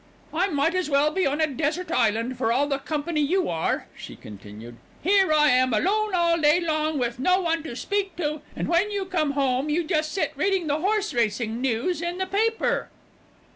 "I might as well be on a desert island for all the company you are," she continued. "Here am I alone all day long with no one to speak to, and when you come home you just sit reading the horse racing news in the paper."